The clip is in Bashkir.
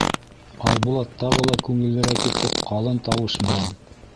Айбулат тағы ла күңеллерәк итеп ҡалын тауыш менән: